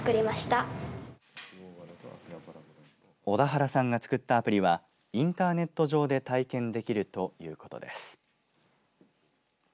小田原さんが作ったアプリはインターネット上で体験できるということです。